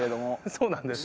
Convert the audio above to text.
そうなんです。